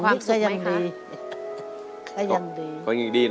ข้านิกมณีไหมคะก็ยังดี